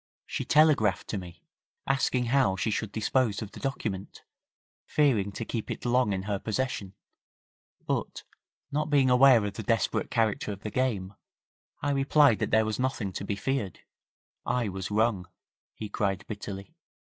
'She telegraphed to me, asking how she should dispose of the document, fearing to keep it long in her possession, but not being aware of the desperate character of the game, I replied that there was nothing to be feared. I was wrong,' he cried, bitterly.